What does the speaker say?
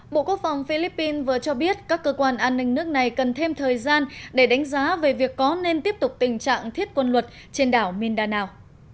bộ quốc phòng philippines vừa cho biết các cơ quan an ninh nước này cần thêm thời gian để đánh giá về việc có nên tiếp tục tình trạng thiết quân luật trên đảo mindanao